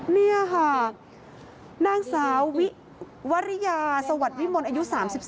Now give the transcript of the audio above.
นี่ค่ะนางสาววิวริยาสวัสดิ์วิมลอายุ๓๒